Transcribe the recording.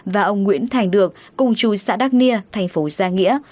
và ông nguyễn thành được cùng chú xã đắk nia thành phố gia nghĩa